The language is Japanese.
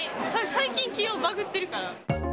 最近、気温バグってるから。